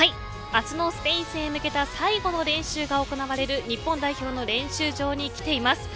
明日のスペイン戦へ向けた最後の練習が行われる日本代表の練習場に来ています。